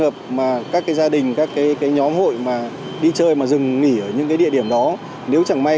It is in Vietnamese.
trường hợp mà các gia đình các cái nhóm hội mà đi chơi mà dừng nghỉ ở những cái địa điểm đó nếu chẳng may